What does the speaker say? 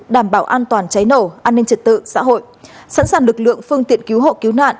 đảm bảo an toàn cháy nổ an ninh trật tự xã hội sẵn sàng lực lượng phương tiện cứu hộ cứu nạn